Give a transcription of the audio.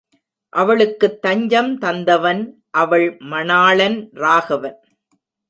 அவளுக்குத் தஞ்சம் தந்தவன் அவள் மணாளன் ராகவன்.